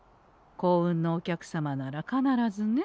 幸運のお客様なら必ずね。